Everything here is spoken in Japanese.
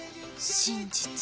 真実